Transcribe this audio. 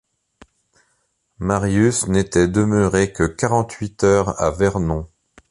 Marius n’était demeuré que quarante-huit heures à Vernon.